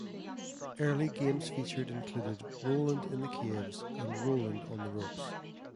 Early games featured included "Roland in the Caves" and "Roland on the Ropes".